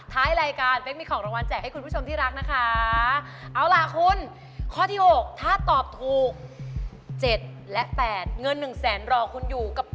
ท้ายรายการเป๊กมีของรางวัลแจกให้คุณผู้ชมที่รักนะคะ